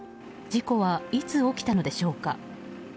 事故はいつ起きたのでしょうか。